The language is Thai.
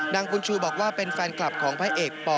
นางบุญชูบอกว่าเป็นแฟนคลับของพระเอกป